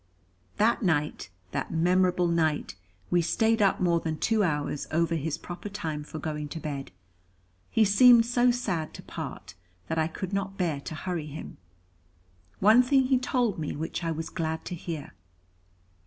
That night, that memorable night, we stayed up more than two hours over his proper time for going to bed. He seemed so sad to part, that I could not bear to hurry him. One thing he told me which I was glad to hear.